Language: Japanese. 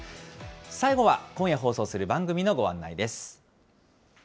最後は今夜放送する番組のご案内です。